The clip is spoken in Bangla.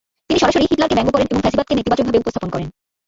তিনি সরাসরি হিটলারকে ব্যঙ্গ করেন এবং ফ্যাসিবাদকে নেতিবাচকভাবে উপস্থাপন করেন।